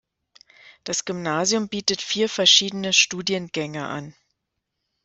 Das Gymnasium bietet vier verschiedene Studiengänge an.